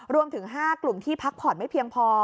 รวมถึง๕กลุ่มที่พักผ่อนไม่เพียงพอ